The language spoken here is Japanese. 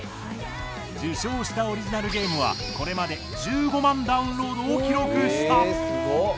受賞したオリジナルゲームはこれまで１５万ダウンロードを記録したえすごっ！